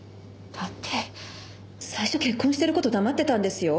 だって最初結婚してる事黙ってたんですよ。